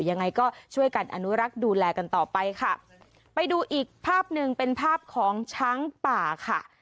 ยังไงก็ช่วยกันอนุรักษ์ดูแลกันต่อไปค่ะไปดูอีกภาพหนึ่งเป็นภาพของช้างป่าค่ะ